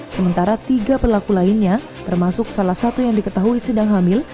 sementara tiga pelaku lainnya termasuk salah satu yang diketahui sedang hamil